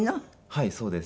はいそうです。